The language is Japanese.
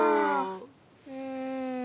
うん。